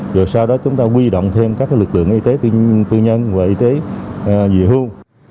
rồi sau đó chúng ta quy động thêm các lực lượng y tế tư nhân và y tế về hưu